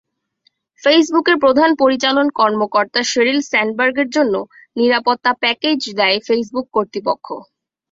ফেসবুকের প্রধান পরিচালন কর্মকর্তা শেরিল স্যান্ডবার্গের জন্য নিরাপত্তা প্যাকেজ দেয় ফেসবুক কর্তৃপক্ষ।